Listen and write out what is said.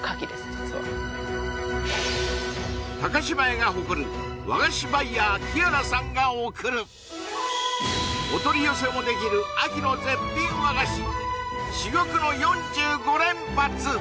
実は島屋が誇る和菓子バイヤーキアラさんが送るお取り寄せもできる秋の絶品和菓子珠玉の４５連発！